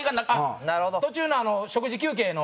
途中の食事休憩の？